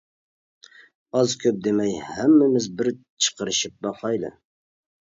ئاز-كۆپ دېمەي ھەممىمىز بىر چىقىرىشىپ باقايلى.